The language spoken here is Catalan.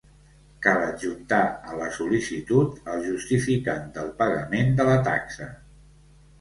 Cal adjuntar a la sol·licitud el justificant del pagament de la taxa.